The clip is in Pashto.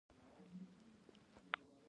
افغانستان د هنر لرغونی مرکز و.